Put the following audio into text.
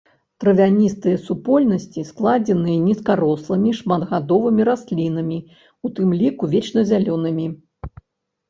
Травяністыя супольнасці складзеныя нізкарослымі шматгадовымі раслінамі, у тым ліку вечназялёнымі.